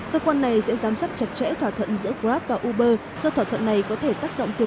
nước này sẽ giám sát chặt chẽ thỏa thuận giữa grab và uber do thỏa thuận này có thể tác động tiêu